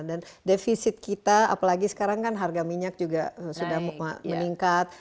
dan devisit kita apalagi sekarang kan harga minyak juga sudah meningkat